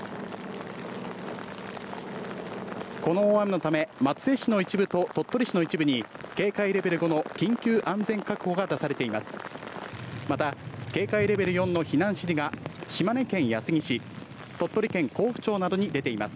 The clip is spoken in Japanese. この大雨のため、松江市の一部と鳥取市の一部に、警戒レベル５の緊急安全確保が出されています。